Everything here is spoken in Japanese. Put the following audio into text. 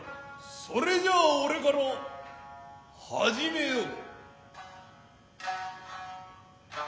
それじゃあ俺から始めよう。